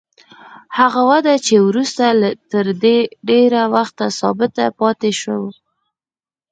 هغه وده چې وروسته تر ډېره وخته ثابته پاتې شوه.